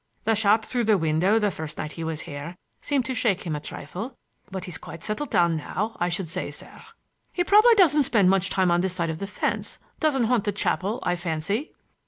The shot through the window the first night he was here seemed to shake him a trifle, but he's quite settled down now, I should say, sir." "He probably doesn't spend much time on this side of the fence—doesn't haunt the chapel, I fancy?"